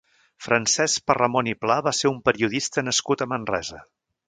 Francesc Perramon i Pla va ser un periodista nascut a Manresa.